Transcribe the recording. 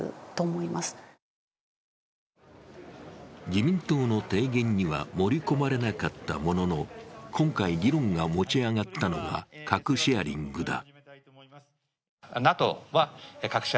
自民党の提言には盛り込まれなかったものの今回議論が持ち上がったのが核シェアリングだ。